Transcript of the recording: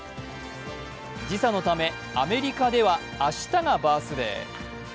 時差のためアメリカでは明日がバースデー。